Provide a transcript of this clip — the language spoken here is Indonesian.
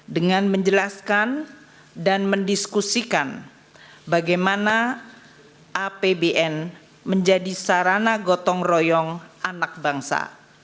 dengan menjelaskan dan mendiskusikan bagaimana apbn menjadi sarana gotong royong anak bangsa